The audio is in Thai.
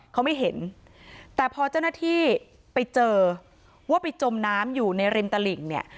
เขาไม่เห็นแต่พอเจ้าหน้าที่ไปเจอว่าไปจมน้ำอยู่ในริมตลิ่งเนี่ย